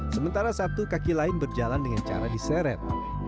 sementara satu kaki lain berjalan dengan cara diseret